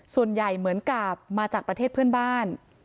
ส่วนใหญ่เหมือนกับมาจากประเทศเพื่อนบ้าน